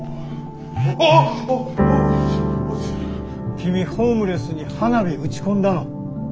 君ホームレスに花火打ち込んだの？